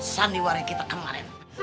sandiwari kita kemarin